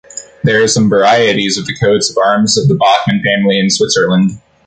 There are some varieties of the coats of arms of the Bachmann family in Switzerland.